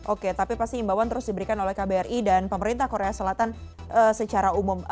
oke tapi pasti imbauan terus diberikan oleh kbri dan pemerintah korea selatan secara umum